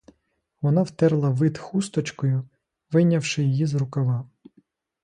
Вона втерла вид хусточкою, вийнявши її з рукава.